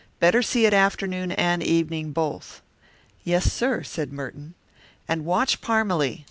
Better see it afternoon and evening both." "Yes, sir," said Merton. "And watch Parmalee.